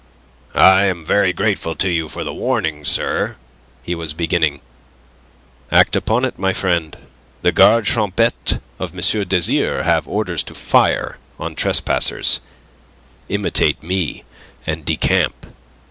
"I am very grateful to you for the warning, sir..." he was beginning. "Act upon it, my friend. The gardes champetres of M. d'Azyr have orders to fire on trespassers. Imitate me, and decamp."